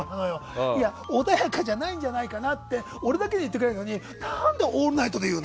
穏やかじゃないんじゃないかなって俺だけに行ってくれればいいのに何で「オールナイト」で言うの。